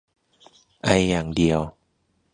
ไออย่างเดียว